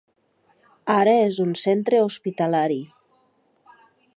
Ara és un centre hospitalari.